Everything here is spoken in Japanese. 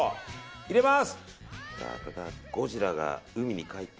入れます。